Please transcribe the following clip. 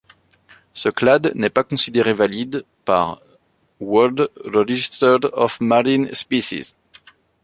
Ce clade n'est pas considéré valide par World Register of Marine Species.